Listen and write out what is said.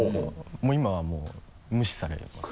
もう今はもう無視されます。